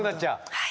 はい。